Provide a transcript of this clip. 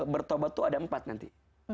bertobat itu ada empat nanti